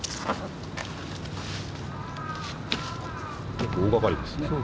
結構大がかりですね。